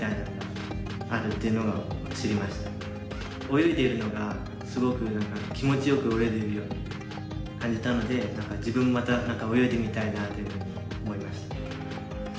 泳いでいるのがすごく気持ちよく泳いでるように感じたので自分もまた泳いでみたいなというふうに思いました。